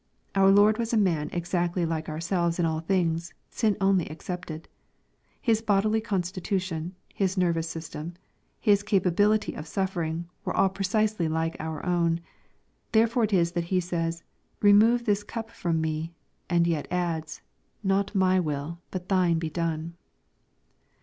Our Lord was a man exactly like ourselves in ail things, sin only excepted. His bodily constitution, His nervous system. His capability of suffering, were aU precisely like our own. Therefore it is that He says, "Re move this cup from me," and yet adds, " not ray will, but thine, be done."